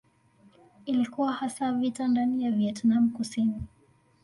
Ilikuwa hasa vita ndani ya Vietnam Kusini.